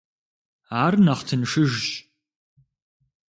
Ар нэхъ тыншыжщ.